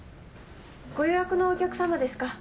ご予約のお客様ですか？